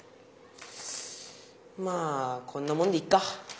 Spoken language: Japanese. まあこんなもんでいっか。